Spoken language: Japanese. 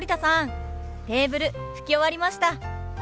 テーブル拭き終わりました。